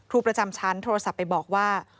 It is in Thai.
ครูประจำชั้นโทรศัพท์ไปบอกว่า